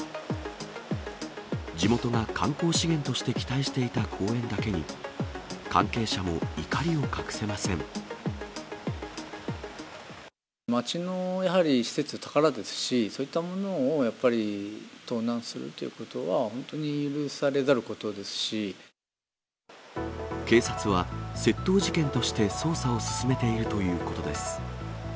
地元が観光資源として期待していた公園だけに、関係者も怒りを隠街のやはり施設、宝ですし、そういったものをやっぱり盗難するということは、警察は窃盗事件として捜査を進めているということです。